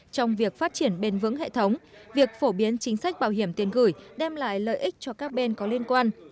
trong việc phát triển bền vững hệ thống việc phổ biến chính sách bảo hiểm tiền gửi đem lại lợi ích cho các bên có liên quan